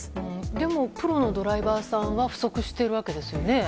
でもプロのドライバーさんは不足しているわけですよね。